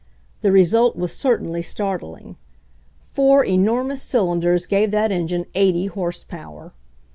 The result was certainly startling. Four enormous cylinders gave that engine eighty horsepower.